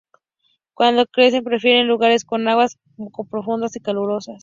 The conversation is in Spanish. Cuando crecen prefieren lugares con aguas poco profundas y calurosas.